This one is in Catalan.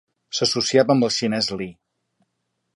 S'associava amb el xinès Li.